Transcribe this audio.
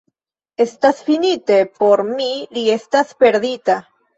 Estas finite: por mi li estas perdita!